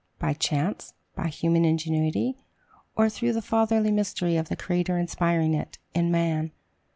By chance? by human ingenuity? or through the "fatherly mystery of the Creator inspiring it" in man?